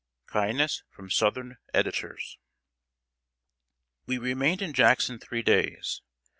[Sidenote: KINDNESS FROM SOUTHERN EDITORS.] We remained in Jackson three days.